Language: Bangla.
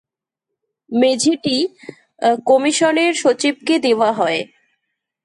মেঝেটি কমিশনের সচিবকে দেওয়া হয়।